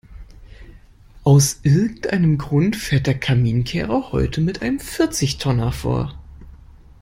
Aus irgendeinem Grund fährt der Kaminkehrer heute mit einem Vierzigtonner vor.